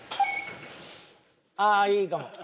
ああいいかも。